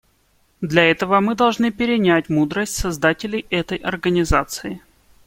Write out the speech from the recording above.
Для этого мы должны перенять мудрость создателей этой Организации.